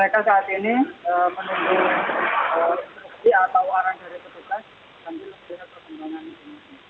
sedangkan yang berada di kampasan jokowi